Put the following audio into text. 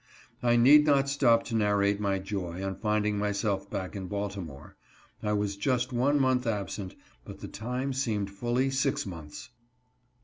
I need not stop to narrate my joy on finding myself back in Baltimore. I was just one month absent, but the time seemed fully six months.